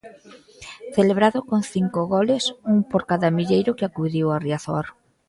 Celebrado con cinco goles, un por cada milleiro que acudiu a Riazor.